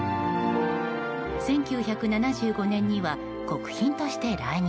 １９７５年には国賓として来日。